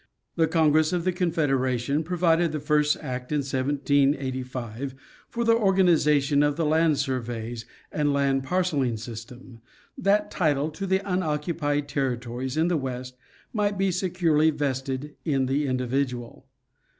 The congress of the confederation provided the first act in 1785, for the organization of the land surveys and land parcelling system, that title to the unoccupied territories in the west might be securely vested in the individual.